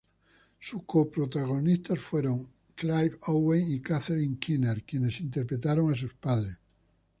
Sus coprotagonistas fueron Clive Owen y Catherine Keener quienes interpretaron a sus padres.